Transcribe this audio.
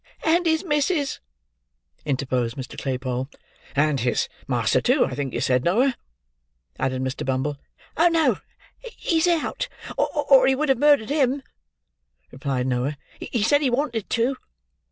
"And his missis," interposed Mr. Claypole. "And his master, too, I think you said, Noah?" added Mr. Bumble. "No! he's out, or he would have murdered him," replied Noah. "He said he wanted to."